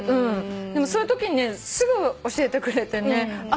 でもそういうときすぐ教えてくれてね。